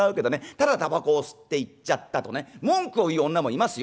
ただ煙草を吸って行っちゃったとね文句を言う女もいますよ。